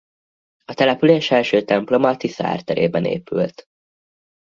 A település első temploma a Tisza árterében épült.